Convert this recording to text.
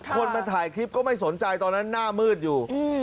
คนมาถ่ายคลิปก็ไม่สนใจตอนนั้นหน้ามืดอยู่